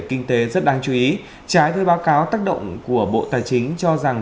kinh tế rất đáng chú ý trái với báo cáo tác động của bộ tài chính cho rằng